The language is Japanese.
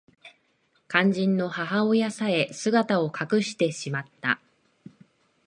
肝心の母親さえ姿を隠してしまった